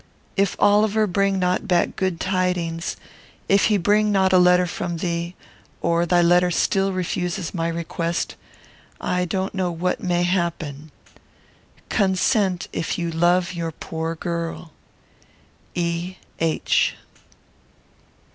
If Oliver bring not back good tidings, if he bring not a letter from thee, or thy letter still refuses my request, I don't know what may happen. Consent, if you love your poor girl. E.H.